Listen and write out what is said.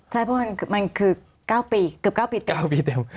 ใช่เพราะมันคือ๙ปีเกือบ๙ปี๙ปีเต็ม